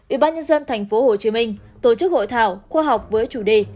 ubnd tp hcm tổ chức hội thảo khoa học với chủ đề